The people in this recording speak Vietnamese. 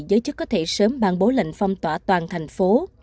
giới chức có thể sớm ban bố lệnh phong tỏa toàn thành phố